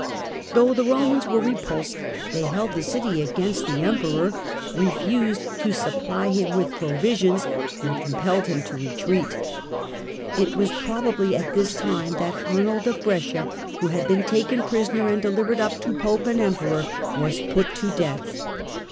'" Though the Romans were repulsed, they held the city against the Emperor, refused to supply him with provisions, and compelled him to retreat. It was probably at this time Execution that Arnold of Brescia, who had been taken prisoner and of Brescia delivered up to Pope and Emperor, was put to death.